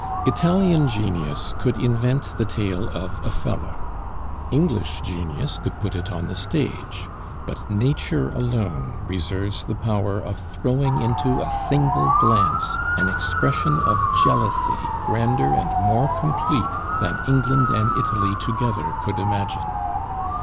Italian genius could invent the tale of Othello; English genius could put it on the stage; but Nature alone reserves the power of throwing into a single glance an expression of jealousy grander and more complete than England and Italy together could imagine.